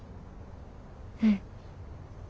うん。